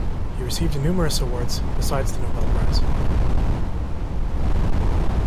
He received numerous awards besides the Nobel Prize.